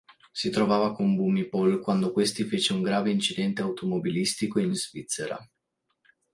Si trovava con Bhumibol quando questi fece un grave incidente automobilistico in Svizzera.